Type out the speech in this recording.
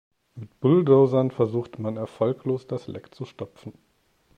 Mit Bulldozern versuchte man erfolglos das Leck zu stopfen.